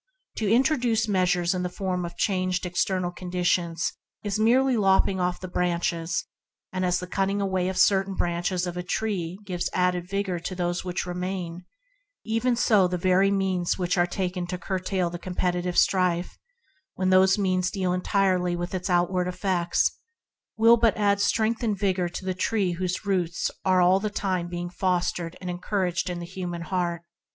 To introduce measures in the form of changed external conditions is merely lop ping off the branches; and as the cutting away of certain branches of a tree gives added vigor to those remaining, even so the very means taken to curtail compe titive strife, when those means deal entirely with its outward effects, will only add strength and vigor to the tree whose COMPETITIVE LAWS AND LAW OF LOVE 25 roots are all the time being fostered and encouraged in the human heart.